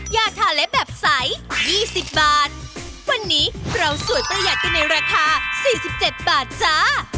ยาทานเล็บแบบใสยี่สิบบาทวันนี้เราสวยประหยัดกันในราคา๔๗บาทจ้า